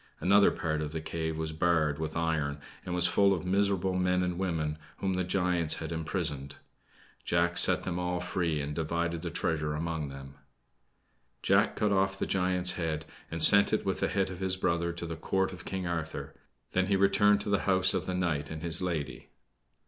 Another part of the cave was barred with iron and was full of miserable men and women whom the giants had imprisoned. Jack set them all free and divided the treasure among them. Jack cut off the giant's head, and sent it with the head of his brother to the Court of King Arthur; then he returned to the house of the knight and his lady.